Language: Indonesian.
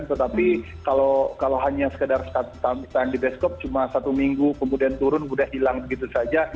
tetapi kalau hanya sekedar setahun setahun di preskop cuma satu minggu kemudian turun udah hilang gitu saja